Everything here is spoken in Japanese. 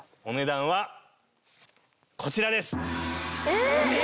お値段はこちらです！え！